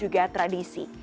ini adalah tradisi